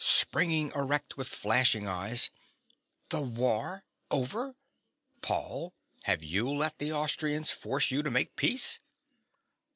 (springing erect, with flashing eyes). The war over! Paul: have you let the Austrians force you to make peace?